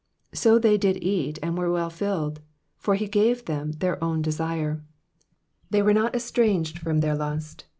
29 So they did eat, and were well filled : for he gave them their own desire ; 30 They were not estranged from their lust.